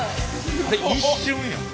あれ一瞬やん。